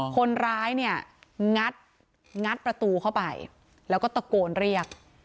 คนร้ายเนี่ยงัดประตูเข้าไปแล้วก็ตะโกนเรียก